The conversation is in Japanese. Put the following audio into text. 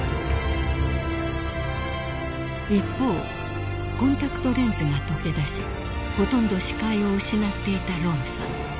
［一方コンタクトレンズが溶けだしほとんど視界を失っていたロンさん］